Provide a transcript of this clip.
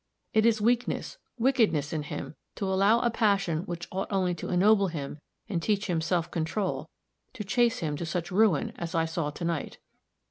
It is weakness, wickedness in him to allow a passion which ought only to ennoble him and teach him self control, to chase him to such ruin as I saw to night."